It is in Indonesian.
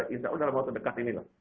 insya allah dalam waktu dekat ini lah